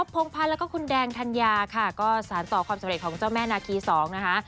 พงพันธ์แล้วก็คุณแดงธัญญาค่ะก็สารต่อความสำเร็จของเจ้าแม่นาคี๒นะคะ